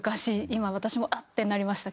今私もあっ！ってなりました